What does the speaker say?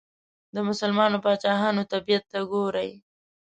د مسلمانو پاچاهانو طبیعت ته وګورئ.